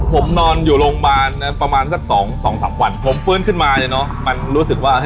ผมนอนอยู่โรงพยาบาลประมาณสัก๒๓อาหารมาเลยเนาะมันรู้สึกว่า